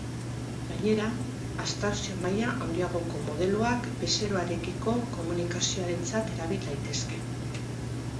Gainera, abstrakzio-maila handiagoko modeloak bezeroarekiko komunikazioarentzat erabil daitezke.